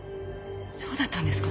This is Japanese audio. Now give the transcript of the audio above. そうだったんですか？